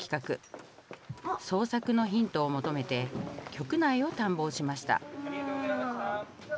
創作のヒントを求めて局内を探訪しました。